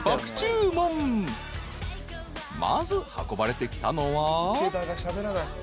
［まず運ばれてきたのは］